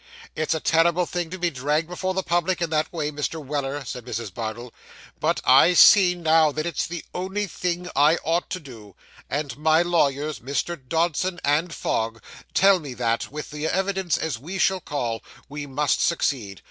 'It's a terrible thing to be dragged before the public, in that way, Mr. Weller,' said Mrs. Bardell; 'but I see now, that it's the only thing I ought to do, and my lawyers, Mr. Dodson and Fogg, tell me that, with the evidence as we shall call, we must succeed.